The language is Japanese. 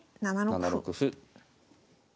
７六歩。